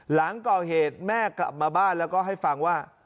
หลังก่อเหตุแม่กลับมาบ้านแล้วก็ให้ฟังว่า